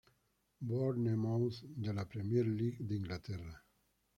Bournemouth de la Premier League de Inglaterra.